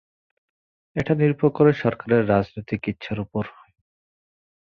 এটা নির্ভর করে সরকারের রাজনৈতিক ইচ্ছার উপর।